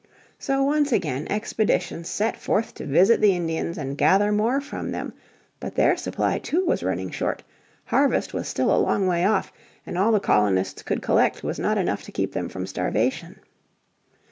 So once again expeditions set forth to visit the Indians and gather more from them. But their supply, too, was running short; harvest was still a long way off, and all the colonists could collect was not enough to keep them from starvation.